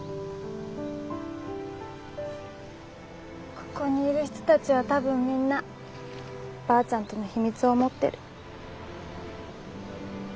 ここにいる人たちは多分みんなばあちゃんとの秘密を持ってる。